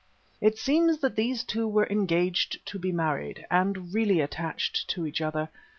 It seems that these two were engaged to be married, and really attached to each other.